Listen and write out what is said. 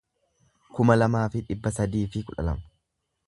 kuma lamaa fi dhibba sadii fi kudha lama